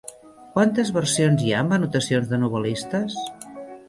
Quantes versions hi ha amb anotacions de novel·listes?